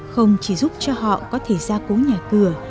không chỉ giúp cho họ có thể ra cố nhà cửa